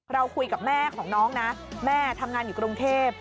เราคุยกับแม่ของน้องนะแม่ทำงานอยู่กรุงเทพ